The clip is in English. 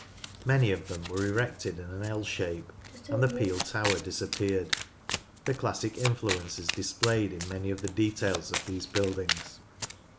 Many of them were erected in an L shape, and the peel tower disappeared. The classic influence is displayed in many of the details of these buildings.